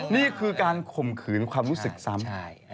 นี่คือการข่มขืนความรู้สึกซ้ำ